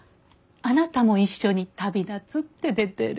あなたも一緒に旅立つって出てる。